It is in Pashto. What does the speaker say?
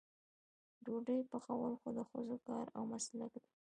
ډوډۍ پخول خو د ښځو کار او مسلک دی.